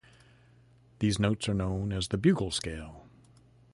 These notes are known as the bugle scale.